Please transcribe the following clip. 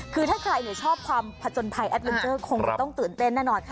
คือถ้าใครชอบความผจญภัยแอดเลนเจอร์คงจะต้องตื่นเต้นแน่นอนค่ะ